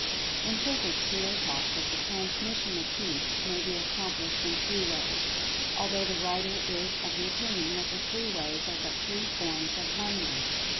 In Physics we are taught that the "Transmission" of Heat may be accomplished in three ways, although the writer is of the opinion that the three ways are but three forms of one way.